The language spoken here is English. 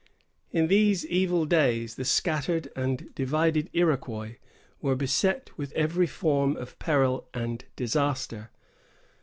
In these evil days, the scattered and divided Iroquois were beset with every form of peril and disaster.